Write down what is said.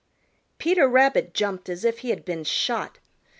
Peter Rabbit jumped as if he had been shot.